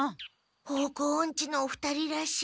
方向オンチのお二人らしい。